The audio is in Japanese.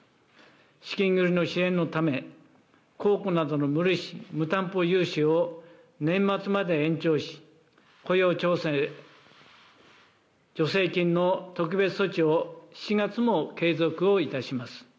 資金繰りの支援のため、公庫などの無利子無担保融資を年末まで延長し、雇用調整助成金の特別措置を７月も継続をいたします。